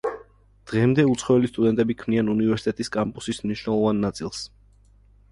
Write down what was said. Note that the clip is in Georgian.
დღემდე უცხოელი სტუდენტები ქმნიან უნივერსიტეტის კამპუსის მნიშვნელოვან ნაწილს.